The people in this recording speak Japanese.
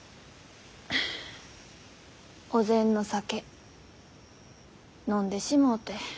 お膳の酒飲んでしもうて。